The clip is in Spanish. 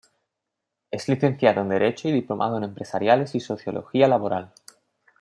Es licenciado en derecho y diplomado en empresariales y sociología laboral.